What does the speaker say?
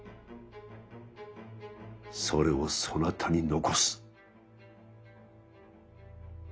それをそなたに残す。